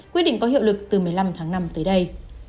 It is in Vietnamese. quyết định có hiệu lực từ một mươi năm tháng năm tới đây